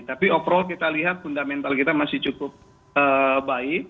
tapi overall kita lihat fundamental kita masih cukup baik